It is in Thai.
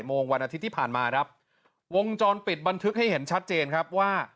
โมงวันอาทิตย์ที่ผ่านมาครับวงจรปิดบันทึกให้เห็นชัดเจนครับว่า